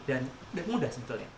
dan mudah sebetulnya